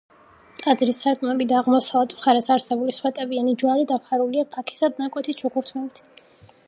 ტაძრის სარკმლები და აღმოსავლეთ მხარეს არსებული სვეტებიანი ჯვარი დაფარულია ფაქიზად ნაკვეთი ჩუქურთმებით.